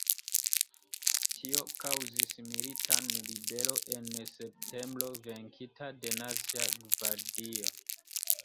Tio kaŭzis militan ribelon en septembro, venkita de Nacia Gvardio.